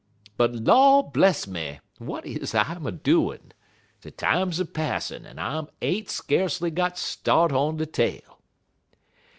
"But, law bless me! w'at is I'm a doin'? De time's a passin', en I'm ain't skacely got start on de tale.